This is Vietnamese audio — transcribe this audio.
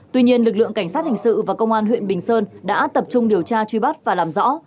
tuy nhiên lực lượng cảnh sát hình sự và công an huyện bình sơn đã tập trung điều tra truy bắt và làm rõ